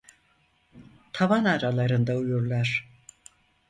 Tavan aralarında uyurlar.